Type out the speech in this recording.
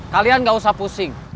kalian gak usah pusing